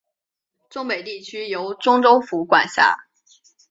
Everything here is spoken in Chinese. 忠北地区由忠州府管辖。